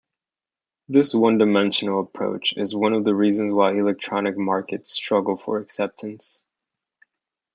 This one-dimensional approach is one of the reasons why electronic markets struggle for acceptance.